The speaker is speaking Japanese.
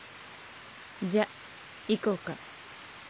じゃ行こうか。